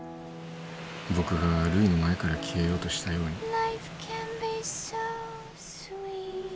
僕がるいの前から消えようとしたように。